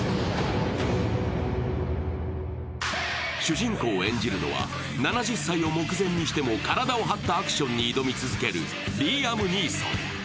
主人公のマイクを演じるのは７０歳を目前にしても体を張ったアクションに挑み続けるリーアム・ニーソン。